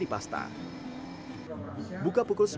dan juga penggunaan coklat yang diolah menjadi pasta